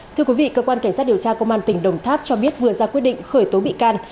thưa quý vị cơ quan cảnh sát điều tra công an tỉnh đồng tháp cho biết vừa ra quyết định khởi tố bị can